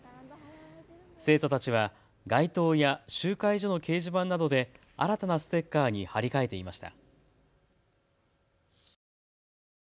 生徒たちは街頭や集会所の掲示板などで新たなステッカーに貼り替えていました。